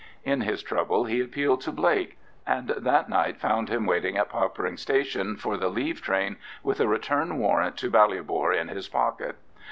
In his trouble he appealed to Blake, and that night found him waiting at Popperinghe Station for the leave train with a return warrant to Ballybor in his pocket.